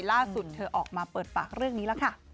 ล่าสุดเธอออกมาเปิดปากเรื่องนี้แล้วค่ะ